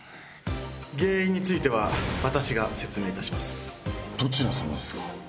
原因については、私が説明いどちら様ですか？